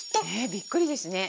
びっくりですね。